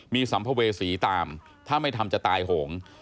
มีสัมภเวษีตามถ้าไม่ทำจะตายโหง